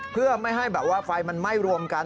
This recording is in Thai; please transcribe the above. เพื่อไม่ให้แบบว่าไฟมันไหม้รวมกัน